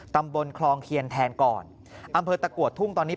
ตำบลคลองเคียนแทนก่อนอำเภอตะกัวทุ่งตอนนี้